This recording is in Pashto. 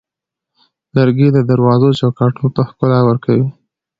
لرګی د دروازو چوکاټونو ته ښکلا ورکوي.